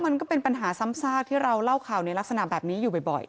มันก็เป็นปัญหาซ้ำซากที่เราเล่าข่าวในลักษณะแบบนี้อยู่บ่อย